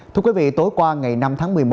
thưa quý vị tối qua ngày năm tháng một mươi một